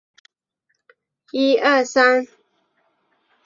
库伦旗是内蒙古自治区通辽市下辖的一个旗。